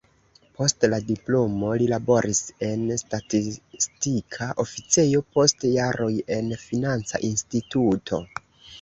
Post la diplomo li laboris en statistika oficejo, post jaroj en financa instituto.